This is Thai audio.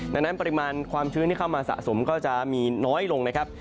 ดังนั้นปริมาณความชื้นที่เข้ามาสะสมก็จะมีน้อยลงนะครับ